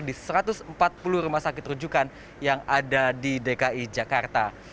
di satu ratus empat puluh rumah sakit rujukan yang ada di dki jakarta